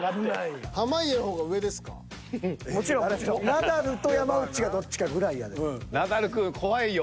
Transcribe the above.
ナダルと山内がどっちかぐらいやで。